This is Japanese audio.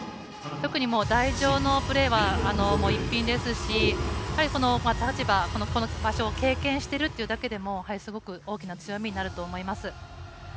特に代表のプレーは逸品ですし立場、この場所を経験しているというだけでもすごく大きな強みになると思います。